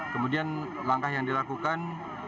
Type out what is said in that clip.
kemudian langkah yang dilakukan